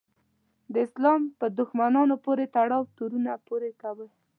د اسلام په دښمنانو پورې تړاو تورونه پورې کول.